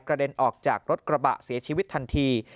เด็นออกจากรถกระบะเสียชีวิตทันที